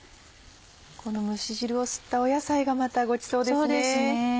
この蒸し汁を吸った野菜がまたごちそうですね。